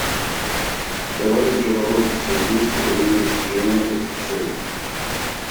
Давайте же работать все вместе во имя достижения этих целей!